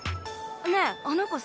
ねえあの子